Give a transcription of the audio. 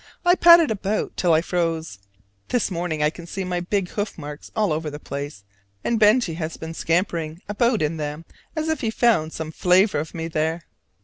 I padded about till I froze: this morning I can see my big hoof marks all over the place, and Benjy has been scampering about in them as if he found some flavor of me there.